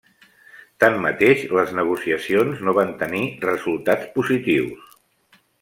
Tanmateix, les negociacions no van tenir resultats positius.